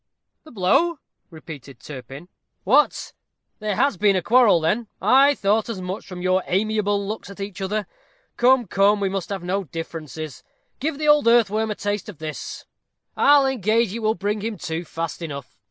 "The blow?" repeated Turpin. "What! there has been a quarrel then? I thought as much from your amiable looks at each other. Come, come, we must have no differences. Give the old earthworm a taste of this I'll engage it will bring him to fast enough.